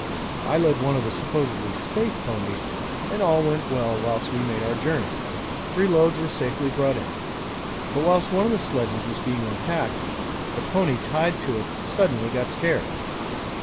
I led one of the supposedly safe ponies, and all went well whilst we made our journey; three loads were safely brought in. But whilst one of the sledges was being unpacked the pony tied to it suddenly got scared.